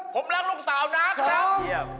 ผมรักลูกสาวนะครับ